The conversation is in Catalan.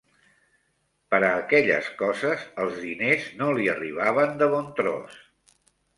Per a aquelles coses els diners no li arribaven de bon tros